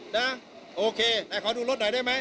นะโอเคขอดูรถหน่อยได้ไหม